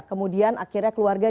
kemudian akhirnya keluarga